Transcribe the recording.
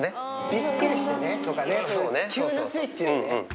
びっくりしてとかね、急なスイッチだよね。